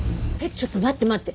ちょっと待って待って。